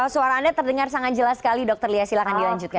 suara anda terdengar sangat jelas sekali dr lia silakan dilanjutkan